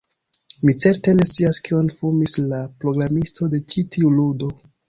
Mi certe ne scias kion fumis la programisto de ĉi tiu ludo